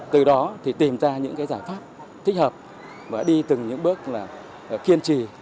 từ đó thì tìm ra những giải pháp thích hợp và đi từng những bước kiên trì